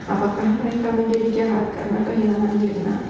apakah mereka menjadi jahat karena kehilangan jajanan